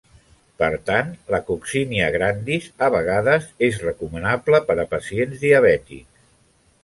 Per tant, la Coccinia grandis a vegades és recomanable per a pacients diabètics.